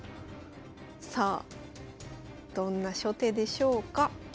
さあどんな初手でしょうか。